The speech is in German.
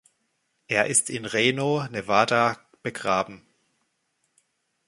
Er ist in Reno, Nevada, begraben.